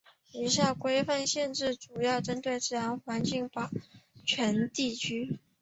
以下的规范和限制主要是针对自然环境保全地域。